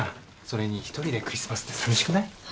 それに１人でクリスマスって寂しくない？